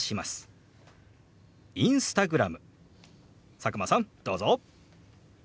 佐久間さんどうぞ。